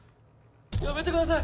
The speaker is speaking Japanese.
やめてください！